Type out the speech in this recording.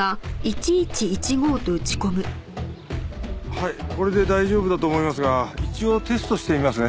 はいこれで大丈夫だと思いますが一応テストしてみますね。